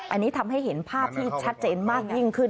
อันนี้ทำให้เห็นภาพที่ชัดเจนมากยิ่งขึ้น